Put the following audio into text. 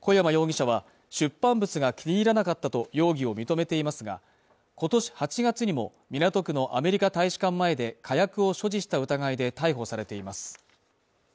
小山容疑者は出版物が気に入らなかったと容疑を認めていますが今年８月にも港区のアメリカ大使館前で火薬を所持した疑いで逮捕されています